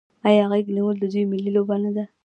آیا غیږ نیول د دوی ملي لوبه نه ده؟